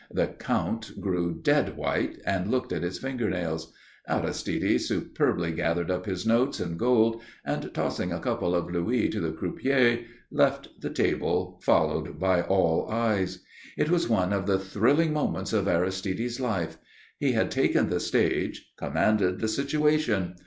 The Count grew dead white and looked at his fingernails. Aristide superbly gathered up his notes and gold, and tossing a couple of louis to the croupiers, left the table, followed by all eyes. It was one of the thrilling moments of Aristide's life. He had taken the stage, commanded the situation.